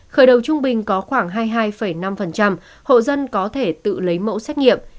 khởi đầu trung bình có khoảng hai mươi hai năm hộ dân có thể tự lấy mẫu xét nghiệm